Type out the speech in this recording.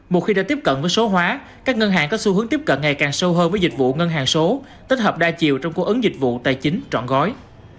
một khi đã tiếp cận với số hóa các ngân hàng có xu hướng tiếp cận ngày càng sâu hơn với dịch vụ ngân hàng số tích hợp đa chiều trong cung ứng dịch vụ tài chính trọn gói